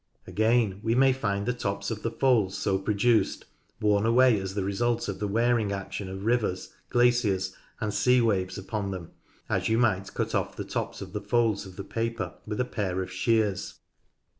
Again, we may find the tops of the folds so pro duced worn away as the result of the wearing action of rivers, glaciers, and sea waves upon them, as you might cut off" the tops of the folds of the paper with a pair of shears.